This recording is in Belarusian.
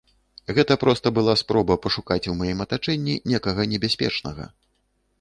Гэта проста была спроба пашукаць у маім атачэнні некага небяспечнага.